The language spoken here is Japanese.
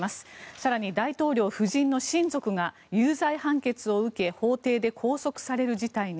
更に、大統領夫人の親族が有罪判決を受け法廷で拘束される事態に。